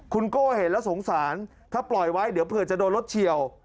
คุณโก้เห็นแล้วสงสารถ้าปล่อยไว้เดี๋ยวเผื่อจะโดนรถเฉียว